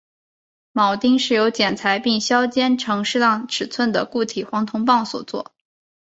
铆钉是由裁切并削尖成适当尺寸的固体黄铜棒所做。